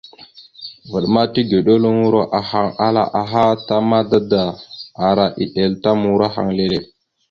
Vvaɗ ma tigəɗeluŋoro ahaŋ ala aha ta mada da ara eɗel ta murahaŋ leele.